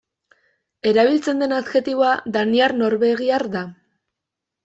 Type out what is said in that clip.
Erabiltzen den adjektiboa, daniar-norvegiar da.